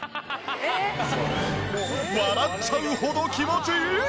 笑っちゃうほど気持ちいい！